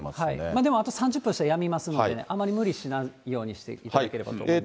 でもあと３０分したらやみますのでね、あまり無理しないようにしていただければと思います。